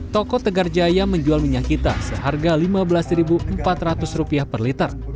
toko tegar jaya menjual minyak kita seharga rp lima belas empat ratus per liter